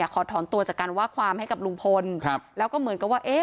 ขอถอนตัวจากการว่าความให้กับลุงพลแล้วก็เหมือนกับว่า